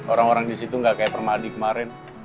orang orang di situ nggak kayak permadi kemarin